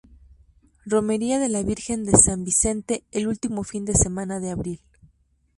Romería de la Virgen de San Vicente, el último fin de semana de abril.